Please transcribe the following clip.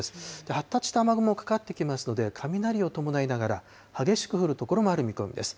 発達した雨雲がかかってきますので、雷を伴いながら、激しく降る所もある見込みです。